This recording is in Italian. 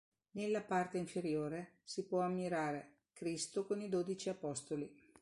Nella parte inferiore si può ammirare "Cristo con i dodici Apostoli".